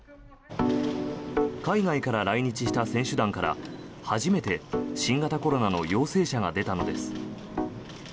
海外から来日した選手団から初めて新型コロナの陽性者が出たのです。